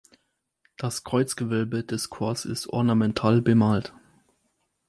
Das Kreuzgewölbe des Chors ist ornamental bemalt.